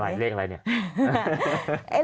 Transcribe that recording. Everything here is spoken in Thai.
อะไรเลขอะไรเนี่ย